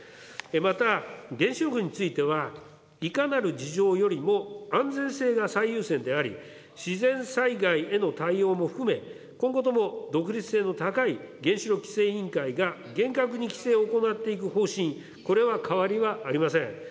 また原子力については、いかなる事情よりも安全性が最優先であり、自然災害への対応も含め、今後とも独立性の高い原子力規制委員会が厳格に規制を行っていく方針、これは変わりはありません。